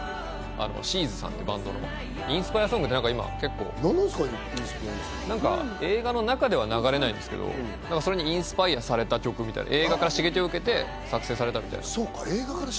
ＳＨＥ’Ｓさんっていうバンドのインスパイアソングって、なんか今、映画の中では流れないんですけど、それにインスパイアされた曲みたいな、映画から刺激を受けて作成されたみたいな。